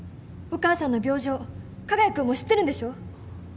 お母さんの病状加賀谷君も知ってるんでしょ？